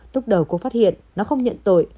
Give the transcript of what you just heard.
lúc đầu cô phát hiện nó không nhận tội